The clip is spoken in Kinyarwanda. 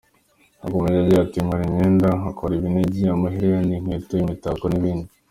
Yakomeje agira ati: “Nkora imyenda, nkakora ibinigi, amaherena, inkweto, imitako n’ibindi.